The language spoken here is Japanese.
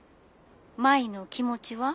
☎舞の気持ちは？